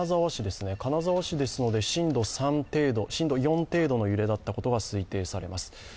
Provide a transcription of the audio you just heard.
金沢市ですので、震度４程度の揺れだったことが推定されます。